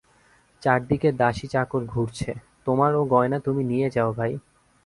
চার দিকে দাসী চাকর ঘুরছে, তোমার ও গয়না তুমি নিয়ে যাও ভাই।